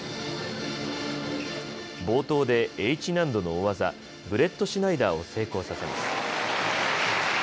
冒頭でＨ難度の大技、ブレットシュナイダーを成功させます。